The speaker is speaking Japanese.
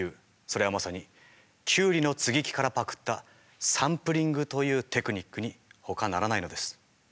それはまさにキュウリの接ぎ木からパクったサンプリングというテクニックにほかならないのです。